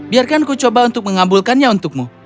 biarkan ku coba untuk mengabulkannya untukmu